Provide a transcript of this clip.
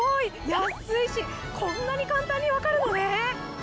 安いしこんなに簡単に分かるのね！